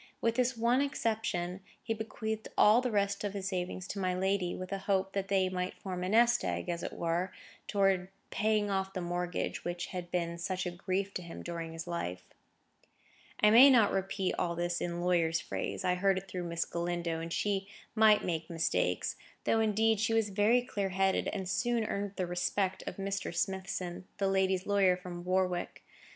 With this one exception, he bequeathed all the rest of his savings to my lady, with a hope that they might form a nest egg, as it were, towards the paying off of the mortgage which had been such a grief to him during his life. I may not repeat all this in lawyer's phrase; I heard it through Miss Galindo, and she might make mistakes. Though, indeed, she was very clear headed, and soon earned the respect of Mr. Smithson, my lady's lawyer from Warwick.